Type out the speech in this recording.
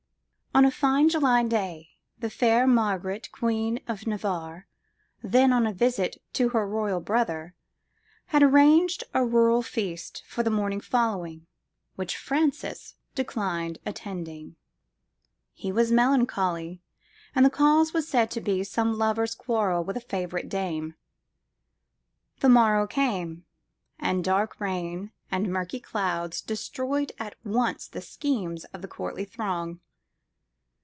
ON a fine July day, the fair Margaret, Queen of Navarre, then on a visit to her royal brother, had arranged a rural feast for the morning following, which Francis declined attending. He was melancholy; and the cause was said to be some lover's quarrel with a favourite dame. The morrow came, and dark rain and murky clouds destroyed at once the schemes of the courtly throng.